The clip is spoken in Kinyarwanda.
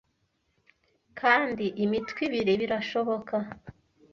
kandi imitwe ibiri birashoboka